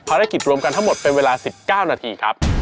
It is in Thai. รวมกันทั้งหมดเป็นเวลา๑๙นาทีครับ